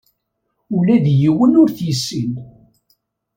Ula d yiwen ur t-yessin.